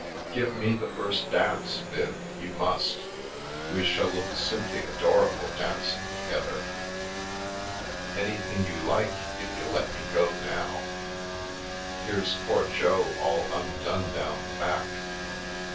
Give me the first dance, Viv ; you must ! We shall look simply adorable dancing together! "" Anything you like, if you'll let me go now. Here's poor Jo all undone down the back.